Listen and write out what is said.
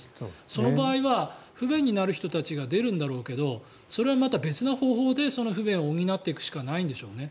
その場合は不便になる人たちが出るんだろうけどそれはまた別な方法でその不便を補っていくしかないんでしょうね。